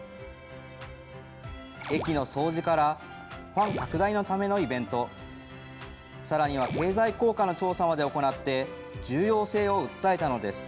駅の掃除から、ファン拡大のためのイベント、さらには経済効果の調査まで行って、重要性を訴えたのです。